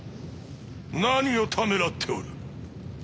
何をためらっておる？